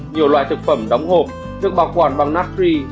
nhiều loại thực phẩm đóng hộp được bảo quản bằng natri